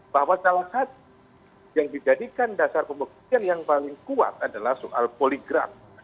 bahwa salah satu yang dijadikan dasar pembuktian yang paling kuat adalah soal poligraf